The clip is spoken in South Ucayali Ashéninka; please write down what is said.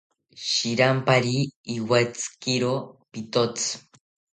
Shiranpari iwetzikiro pitotzi